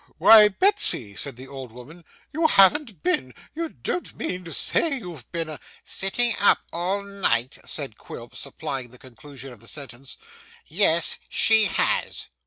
'Why, Betsy,' said the old woman, 'you haven't been you don't mean to say you've been a ' 'Sitting up all night?' said Quilp, supplying the conclusion of the sentence. 'Yes she has!